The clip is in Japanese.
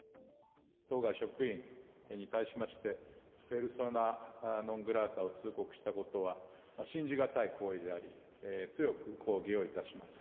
当該職員に対しまして、ペルソナ・ノン・グラータを通告したことは信じ難い行為であり、強く抗議をいたします。